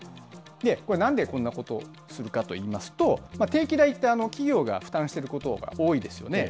これ、なんでこんなことするかといいますと、定期代って企業が負担していることが多いですよね。